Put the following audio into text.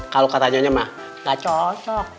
kalau katanya mah gak cocok